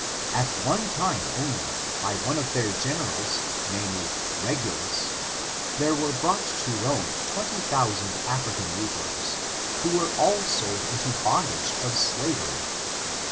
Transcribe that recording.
At ene xtime only, by one of their generals, namely, Regvlus^ there were brought to Rome twenty thousand African negroes, who were all sold into the bondage of slav ery.